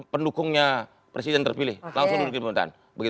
pendukungnya presiden terpilih langsung duduk di pemerintahan